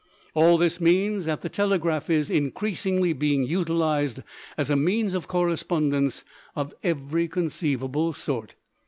All this means that the telegraph is increasingly being utilized as a means of correspondence of every conceivable sort.